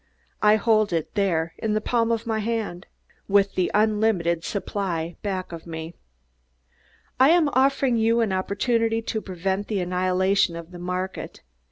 I hold it there, in the palm of my hand, with the unlimited supply back of me. I am offering you an opportunity to prevent the annihilation of the market.